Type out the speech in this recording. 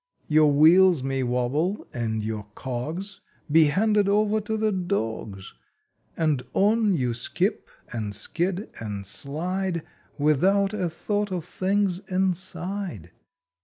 Your WHEELS may wabble and your COGS Be handed over to the dogs, And on you skip, and skid, and slide, Without a thought of things INSIDE.